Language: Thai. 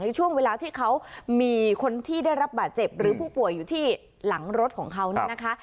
ช่วงเวลาที่เขามีคนที่ได้รับบาดเจ็บหรือผู้ป่วยอยู่ที่หลังรถของเขาเนี่ยนะคะ